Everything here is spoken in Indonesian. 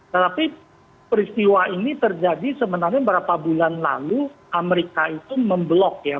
tetapi peristiwa ini terjadi sebenarnya berapa bulan lalu amerika itu memblok ya